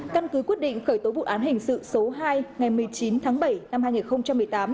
căn cứ quyết định khởi tố vụ án hình sự số hai ngày một mươi chín tháng bảy năm hai nghìn một mươi tám